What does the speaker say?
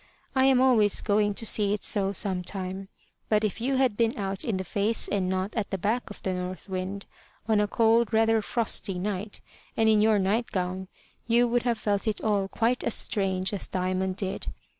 I am always going to see it so some time. But if you had been out in the face and not at the back of the North Wind, on a cold rather frosty night, and in your night gown, you would have felt it all quite as strange as Diamond did.